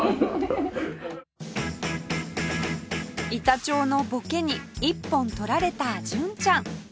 板長のボケに一本取られた純ちゃん